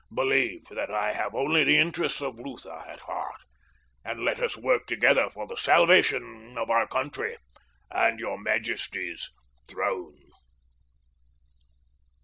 Believe that I have only the interests of Lutha at heart, and let us work together for the salvation of our country and your majesty's throne."